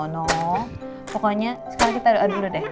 pokoknya sekarang kita doa dulu deh